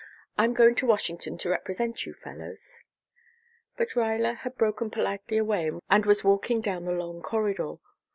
I'm going to Washington to represent you fellows " But Ruyler had broken politely away and was walking down the long corridor.